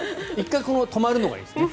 １回、止まるのがいいですね。